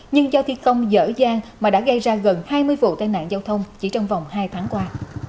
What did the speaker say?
nhưng do thi công dở dang mà đã gây ra gần hai mươi vụ tai nạn giao thông chỉ trong vòng hai tháng qua